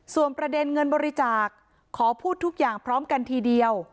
ส่วนประเด็นเงินบริจาคขอพูดทุกอย่างพร้อมกันทีเดียว